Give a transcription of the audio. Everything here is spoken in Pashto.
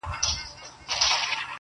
په زړه سخت لکه د غرونو ځناور وو٫